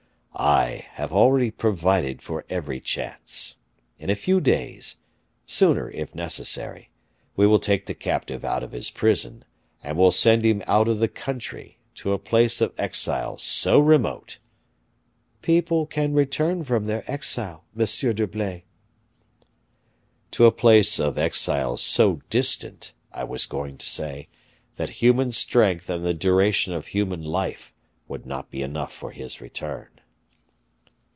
"I have already provided for every chance. In a few days, sooner if necessary, we will take the captive out of his prison, and will send him out of the country, to a place of exile so remote " "People can return from their exile, Monsieur d'Herblay." "To a place of exile so distant, I was going to say, that human strength and the duration of human life would not be enough for his return."